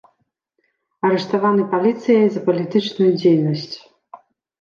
Арыштаваны паліцыяй за палітычную дзейнасць.